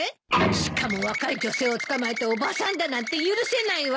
しかも若い女性をつかまえておばさんだなんて許せないわ！